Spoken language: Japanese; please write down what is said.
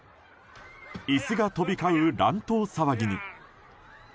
椅子が飛び交う乱闘騒ぎに。